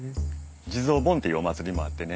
地蔵盆っていうお祭りもあってね